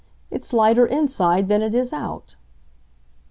"It's lighter inside than it is out."